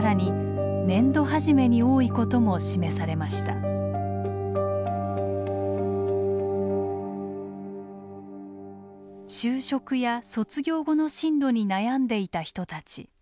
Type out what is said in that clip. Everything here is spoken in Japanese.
更に就職や卒業後の進路に悩んでいた人たち。